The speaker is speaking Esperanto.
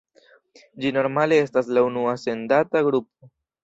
Ĝi normale estas la unua sendata grupo.